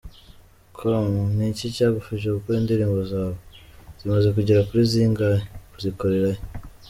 com:Ni iki cyagufashije gukora indirimboz awe?zimaze kugerakuri zingahe? Uzikorera he?.